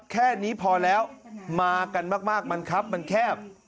แค่นี้พอแล้วมากันมากมันครับมันแคบ